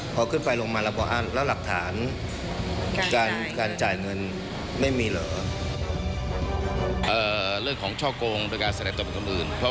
พอขึ้นไปลงมาเราล่าแล้วหลักฐานการจ่ายเงินไม่มีเหรอ